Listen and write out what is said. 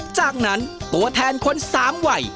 จากนั้นตัวแทนคน๓วัย